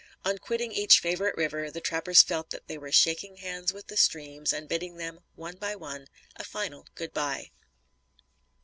On quitting each favorite river, the trappers felt that they were shaking hands with the streams and bidding them, one by one, a final good bye.